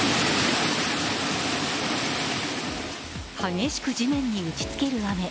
激しく地面に打ちつける雨。